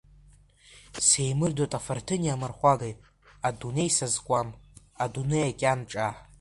Сеимырдоит афарҭыни амырхәагеи, адунеи сазкуам, адунеи акьанҿаа.